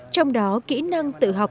trong đó kỹ năng tự học